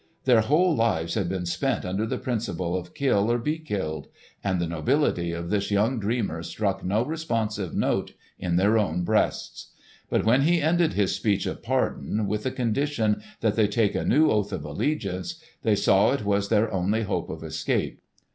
Their whole lives had been spent under the principle of "kill or be killed," and the nobility of this young dreamer struck no responsive note in their own breasts. But when he ended his speech of pardon with the condition that they take a new oath of allegiance, they saw it was their only hope of escape.